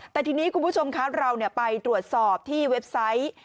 แต่ทีนี้คุณผู้ชมคะเราไปตรวจสอบที่เว็บไซต์